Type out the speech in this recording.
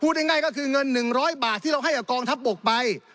ง่ายก็คือเงิน๑๐๐บาทที่เราให้กับกองทัพบกไป